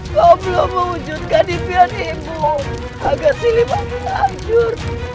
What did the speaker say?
kau belum mewujudkan impian ibu agar sili masih hajur